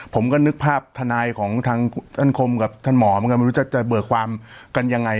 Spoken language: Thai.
ผมก็นึกภาพทนายของทางท่านคมกับท่านหมอเหมือนกันไม่รู้จะเบิกความกันยังไง